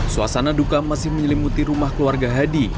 suasana duka masih menyelimuti rumah keluarga hadi